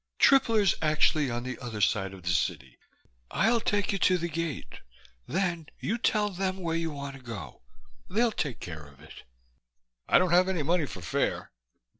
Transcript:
"Tripler's actually on the other side of the city. I'll take you to the gate; then you tell them where you want to go. They'll take care of it." "I don't have any money for fare."